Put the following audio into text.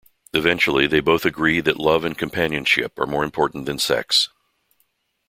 Eventually they both agree that love and companionship are more important than sex.